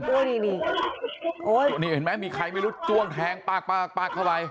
โอ้ยนี่นี่เห็นมั้ยมีใครไม่รู้จวงแทงปากเข้าไป